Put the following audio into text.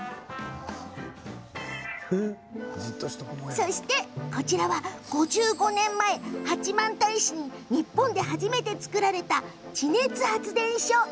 そして、こちらは５５年前八幡平市に日本で初めて造られた地熱発電所。